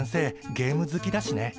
ゲーム好きだしね。